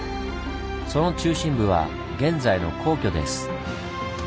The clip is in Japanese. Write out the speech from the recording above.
その中心部は現在の皇居です。